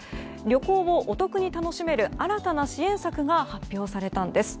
旅行をお得に楽しめる新たな支援策が発表されたんです。